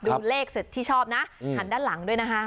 ดูเลขเสร็จที่ชอบนะหันด้านหลังด้วยนะคะ